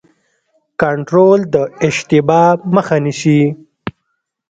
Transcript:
کنټرول د اشتباه مخه نیسي